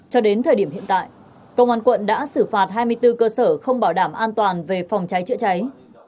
cho đến thời điểm hiện tại công an quận đã xử phạt hai mươi bốn cơ sở không bảo đảm an toàn về phòng cháy chữa cháy